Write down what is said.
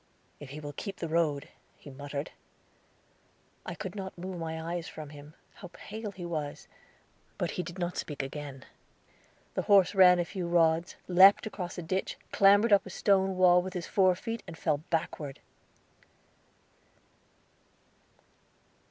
"If he will keep the road," he muttered. I could not move my eyes from him. How pale he was! But he did not speak again. The horse ran a few rods, leaped across a ditch, clambered up a stone wall with his fore feet, and fell backward!